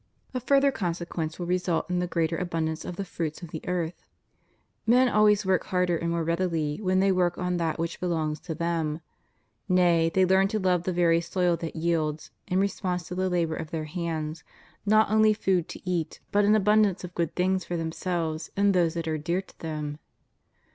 A further consequence will result in the greater abundance of the fruits of the earth. Men always work harder and more readily when they work on that which belongs to them ; nay, they learn to love the very soil that yields, in response to the labor of their hands, not only food to eat but an abundance 238 CONDITION OF THE WORKING CLASSES. of good things for themselves and those that are dear to them.